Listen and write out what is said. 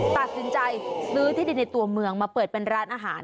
ตัดสินใจซื้อที่ดินในตัวเมืองมาเปิดเป็นร้านอาหาร